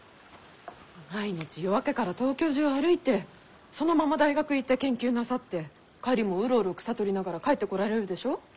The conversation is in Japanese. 毎日夜明けから東京中歩いてそのまま大学行って研究なさって帰りもうろうろ草採りながら帰ってこられるでしょ？